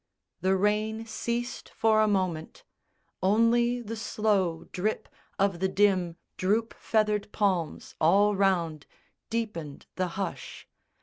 The rain ceased for a moment: only the slow Drip of the dim droop feathered palms all round Deepened the hush.